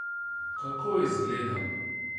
Kako izgledam?